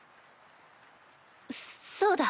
そうだ。